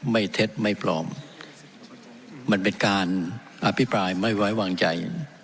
เท็จไม่ปลอมมันเป็นการอภิปรายไม่ไว้วางใจ